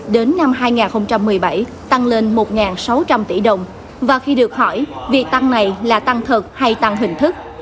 đến năm hai nghìn một mươi bảy tăng lên một sáu trăm linh tỷ đồng và khi được hỏi việc tăng này là tăng thật hay tăng hình thức